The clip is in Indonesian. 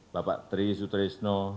bapak tri sutrisno